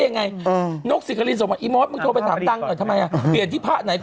อ๋อนั่นคือดังมันกอนดังมาใกล้มากใกล้มาก